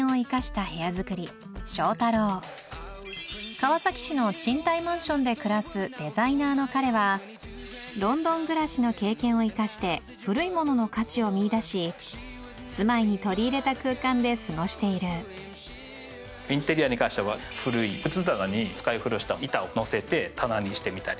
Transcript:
川崎市の賃貸マンションで暮らすデザイナーの彼はロンドン暮らしの経験を生かして古い物の価値を見いだし住まいに取り入れた空間で過ごしているインテリアに関しては古い靴棚に使い古した板を載せて棚にしてみたり。